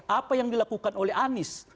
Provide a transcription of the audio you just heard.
apa yang dilakukan oleh anies